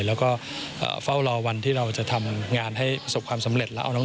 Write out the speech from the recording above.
และก็เฝ้ารอวันที่เราจะทำงานให้ประสบความสำเร็จ